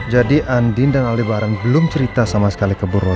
jadi andin dan aldi baran belum cerita staffing kebu rosah